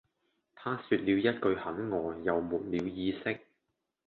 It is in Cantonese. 她說了一句很餓又沒了意識